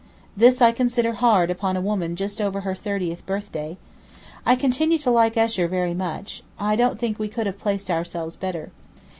This I consider hard upon a woman just over her thirtieth birthday. I continue to like Esher very much; I don't think we could have placed ourselves better.